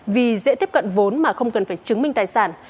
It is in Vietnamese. vì dễ tiếp cận vốn mà không cần phải chứng minh tài sản